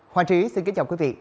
hoàng trí xin kính chào quý vị